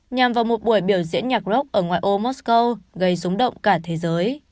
nhằm vào một buổi biểu diễn nhạc rock ở ngoài ô mosco gây rúng động cả thế giới